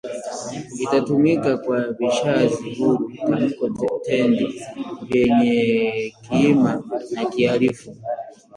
itatumika kwa vishazi huru tamko -tendi vyenye kiima na kiarifu